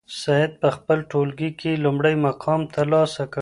سعید په خپل ټولګي کې لومړی مقام ترلاسه کړ.